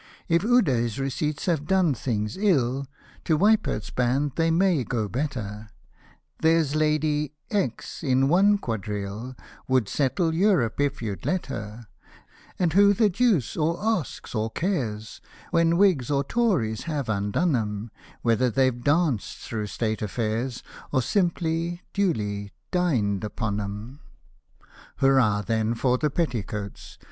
If Ude's receipts have done things ill, To Weippert's band they may go better ; There's Lady , in one quadrille, Would settle Europe, if you'd let her : And who the deuce or asks, or cares, When Whigs or Tories have undone 'em, Whether they've danced through State affairs, Or simply, duly, di?ted upon 'em ? Hurrah then for the Petticoats